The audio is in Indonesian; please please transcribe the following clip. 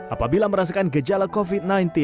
apabila merasakan gejala covid sembilan belas